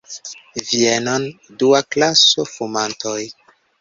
Vienon, dua klaso, fumantoj!